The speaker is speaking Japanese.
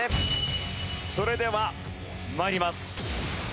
それでは参ります。